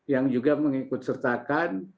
yang juga mengikut sertakan